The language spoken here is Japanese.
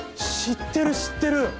知ってる知ってる！